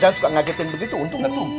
jangan suka ngagetin begitu untung nggak tumpah